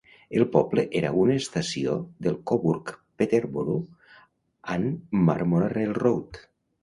El poble era una estació del Cobourg Peterboro and Marmora Railroad.